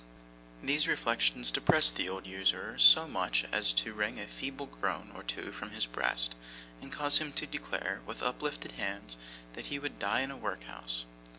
These reflections depressed the old usurer so much, as to wring a feeble groan or two from his breast, and cause him to declare, with uplifted hands, that he would die in a workhouse.